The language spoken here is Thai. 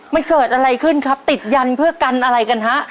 มันเกิดอะไรขึ้นครับติดยันเพื่อกันอะไรกันฮะ